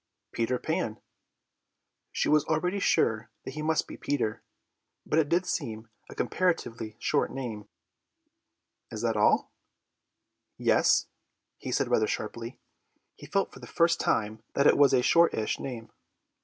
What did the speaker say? "Peter Pan." She was already sure that he must be Peter, but it did seem a comparatively short name. "Is that all?" "Yes," he said rather sharply. He felt for the first time that it was a shortish name.